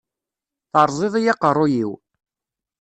Teṛẓiḍ-iyi aqeṛṛuy-iw.